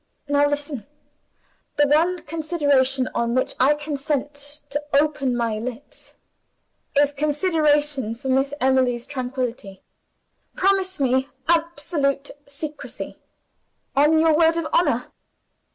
"Now listen! The one consideration on which I consent to open my lips, is consideration for Miss Emily's tranquillity. Promise me absolute secrecy, on your word of honor."